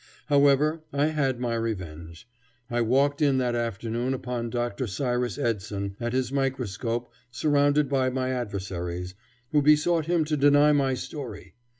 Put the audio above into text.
However, I had my revenge. I walked in that afternoon upon Dr. Cyrus Edson at his microscope surrounded by my adversaries, who besought him to deny my story.